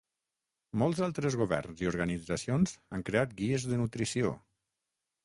Molts altres governs i organitzacions han creat guies de nutrició.